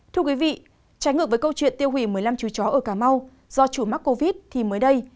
thưa quý vị trái ngược với câu chuyện tiêu hủy một mươi năm chú chó ở cà mau do chủ mắc covid thì mới đây